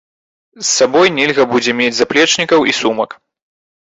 З сабой нельга будзе мець заплечнікаў і сумак.